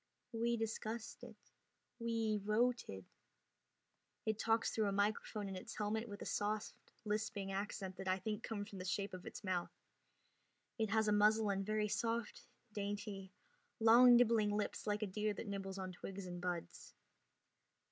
"We discussed it ... we voted...." It talks through a microphone in its helmet with a soft lisping accent that I think comes from the shape of its mouth. It has a muzzle and very soft, dainty, long nibbling lips like a deer that nibbles on twigs and buds.